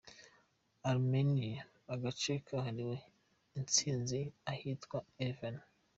Arménie : Agace kahariwe Intsinzi, ahitwa Erevan.